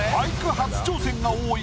初挑戦が多い